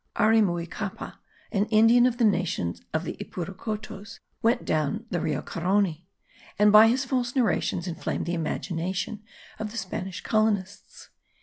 Arimuicaipi, an Indian of the nation of the Ipurucotos, went down the Rio Carony, and by his false narrations inflamed the imagination of the Spanish colonists.